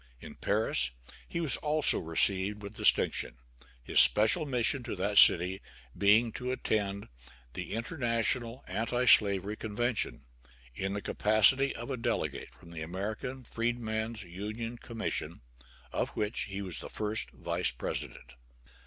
In Paris he was also received with distinction, his special mission to that city being to attend the International Anti slavery Convention, in the capacity of a delegate from the American Freedman's Union Commission, of which he was first vice president.